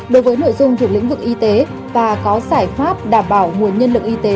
đối với nội dung thuộc lĩnh vực y tế và có giải pháp đảm bảo nguồn nhân lực y tế